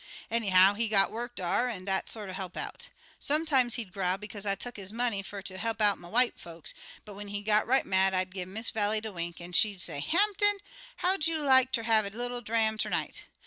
Anyhow, he got work dar, an' dat sorter he'p out. Sometimes he'd growl bekaze I tuck his money fer ter he'p out my white folks, but when he got right mad I'd gi' Miss Vallie de wink, an' she'd say: 'Hampton, how'd you like ter have a little dram ter night?